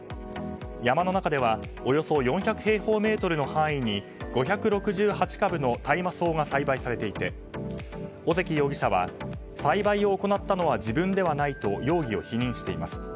山の中ではおよそ４００平方メートルの範囲に５６８株の大麻草が栽培されていて小関容疑者は栽培を行ったのは自分ではないと容疑を否認しています。